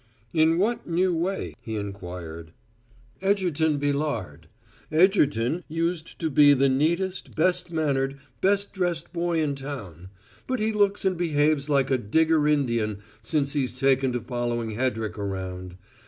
"In what new way?" he inquired. "Egerton Villard. Egerton used to be the neatest, best mannered, best dressed boy in town; but he looks and behaves like a Digger Indian since he's taken to following Hedrick around.